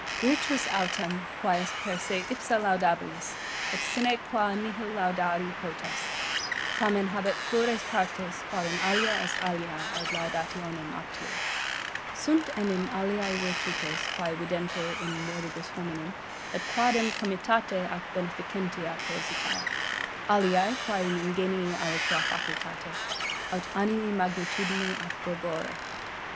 'Virtus autem, quae est per se ipsa laudabilis, et sine qua nihil laudari potest, tamen habet plures partes, quarum alia est alia ad laudationem aptior. Sunt enim aliae virtutes, quae videntur in moribus hominum, et quadam comitate ac beneficentia positae: aliae quae in ingenii aliqua facultate, aut animi magnitudine ac robore.